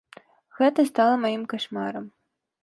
Гэта стала маім кашмарам.